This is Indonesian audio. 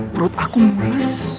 perut aku mules